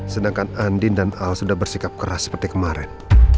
sedangkan andin dan al sudah bersikap keras seperti kemarin